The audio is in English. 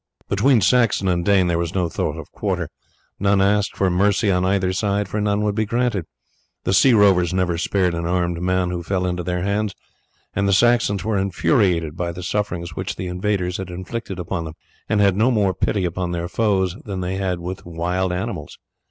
Between Saxon and Dane there was no thought of quarter; none asked for mercy on either side, for none would be granted. The sea rovers never spared an armed man who fell into their hands, and the Saxons were infuriated by the sufferings which the invaders had inflicted upon them, and had no more pity upon their foes than if they had been wild animals.